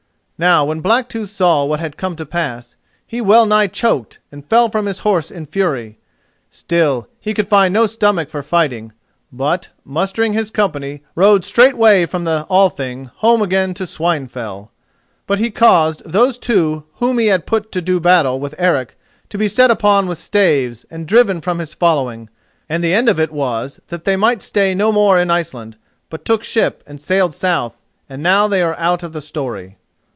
Now when Blacktooth saw what had come to pass, he well nigh choked, and fell from his horse in fury. Still, he could find no stomach for fighting, but, mustering his company, rode straightway from the Thing home again to Swinefell. But he caused those two whom he had put up to do battle with Eric to be set upon with staves and driven from his following, and the end of it was that they might stay no more in Iceland, but took ship and sailed south, and now they are out of the story.